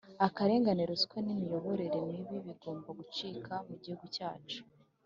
Akarengane ruswa nimiyoborere mibi bigomba gucika mugihugu cyacu